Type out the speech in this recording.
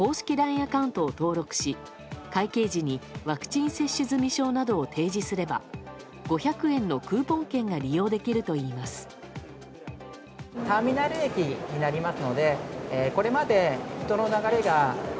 アカウントを登録し会計時にワクチン接種済証などを提示すれば５００円のクーポン券が利用できるといいます。